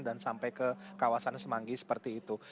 dan sampai ke kawasan semanggi seperti itu